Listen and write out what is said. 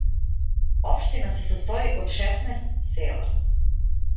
Општина се састоји од шеснаест села.